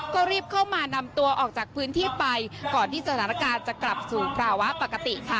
ก็รีบเข้ามานำตัวออกจากพื้นที่ไปก่อนที่สถานการณ์จะกลับสู่ภาวะปกติค่ะ